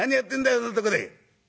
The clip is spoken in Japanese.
そんなとこで」。